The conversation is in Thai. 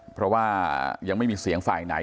เพราะว่ายังไม่มีเสียงฝ่ายไหน